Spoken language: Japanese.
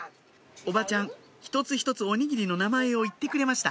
おばちゃん一つ一つおにぎりの名前を言ってくれました